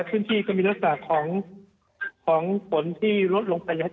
พื้นที่ก็มีทรัพย์ของฝนที่ลดลง